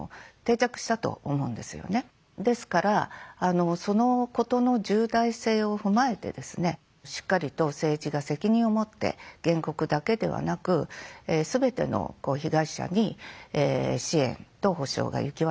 ですからそのことの重大性を踏まえてですねしっかりと政治が責任を持って原告だけではなく全ての被害者に支援と補償が行き渡る。